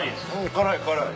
辛い辛い。